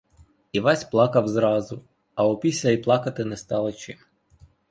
Івась плакав зразу, а опісля й плакати не стало чим.